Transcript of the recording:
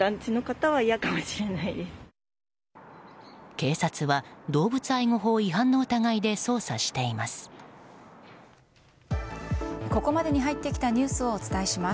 警察は動物愛護法違反の疑いで捜査しています。